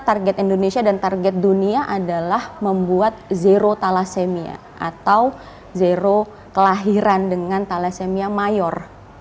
target indonesia dan target dunia adalah membuat zero thalassemia atau zero kelahiran dengan thalassemia mayor